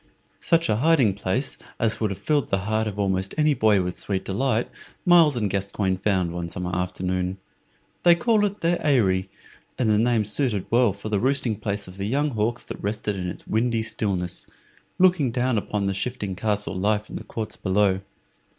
Such a hiding place as would have filled the heart of almost any boy with sweet delight Myles and Gascoyne found one summer afternoon. They called it their Eyry, and the name suited well for the roosting place of the young hawks that rested in its windy stillness, looking down upon the shifting castle life in the courts below.